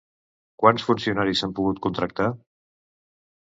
Quants funcionaris s'han pogut contractar?